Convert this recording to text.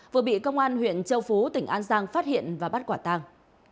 vừa bị công an huyện châu phú tỉnh an giang phát hiện và bắt quả tàng